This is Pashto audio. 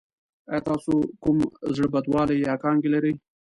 ایا تاسو کوم زړه بدوالی یا کانګې لرئ؟